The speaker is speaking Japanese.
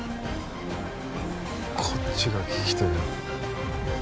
こっちが聞きてえよ